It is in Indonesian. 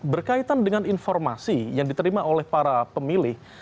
berkaitan dengan informasi yang diterima oleh para pemilih